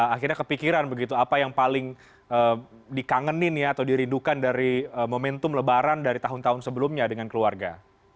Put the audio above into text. akhirnya kepikiran begitu apa yang paling dikangenin ya atau dirindukan dari momentum lebaran dari tahun tahun sebelumnya dengan keluarga